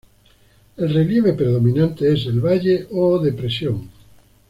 El relieve predominante es el valle o depresión.